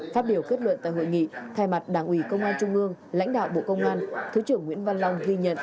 phát biểu kết luận tại hội nghị thay mặt đảng ủy công an trung ương lãnh đạo bộ công an thứ trưởng nguyễn văn long ghi nhận